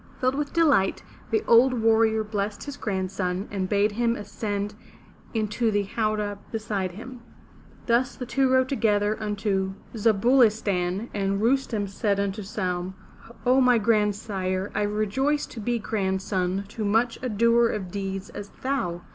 Filled with delight, the old warrior blessed his grandson and bade him ascend into the howdah beside him. Thus the two rode together unto Za bu' li stan'. And Rustem said unto Saimi; 0, my grandsire, I rejoice to be grandson to such a doer of deeds as thou.